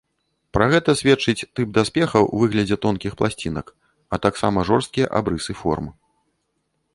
Пра гэта сведчыць тып даспехаў у выглядзе тонкіх пласцінак, а таксама жорсткія абрысы форм.